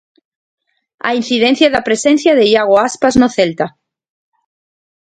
A incidencia da presencia de Iago Aspas no Celta.